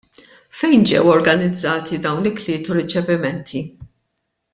Fejn ġew organizzati dawn l-ikliet u r-riċevimenti?